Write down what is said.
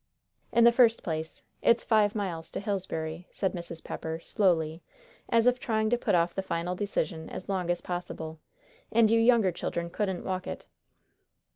"In the first place, it's five miles to Hillsbury," said Mrs. Pepper, slowly, as if trying to put off the final decision as long as possible; "and you younger children couldn't walk it."